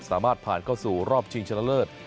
สามารถผ่านเข้าสู่รอบชิงชนะเลิศ